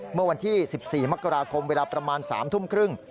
เมื่อวันที่๑๔มกราคมเวลาประมาณ๓ทุ่มครึ่ง